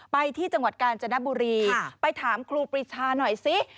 ไปที่จังหวัดกาญจนบุรีไปถามครูปรีชาหน่อยซิ